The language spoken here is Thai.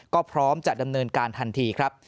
ก็พร้อมจะดำเนินการทันทีครับ